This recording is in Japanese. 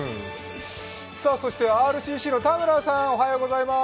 そしてＲＣＣの田村さんおはようございます。